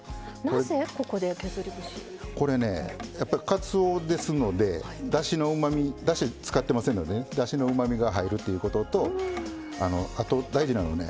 これねやっぱかつおですのでだしのうまみだし使ってませんのでねだしのうまみが入るということとあと大事なのはね